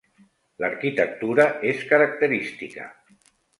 L'arquitectura és característica.